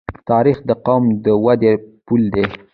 تاریخ د قوم د ودې پل دی.